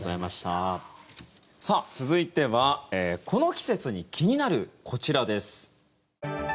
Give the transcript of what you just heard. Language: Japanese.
さあ、続いてはこの季節に気になるこちらです。